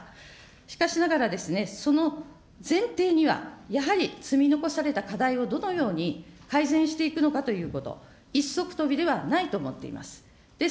しかしながら、その前提にはやはり、積み残された課題をどのように改善していくのかということ、一足飛びではないと思っています。